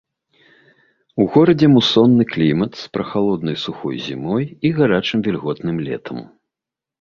У горадзе мусонны клімат з прахалоднай сухой зімой і гарачым вільготным летам.